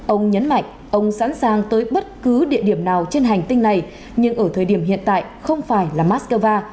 ông nhấn mạnh ông sẵn sàng tới bất cứ địa điểm nào trên hành tinh này nhưng ở thời điểm hiện tại không phải là moscow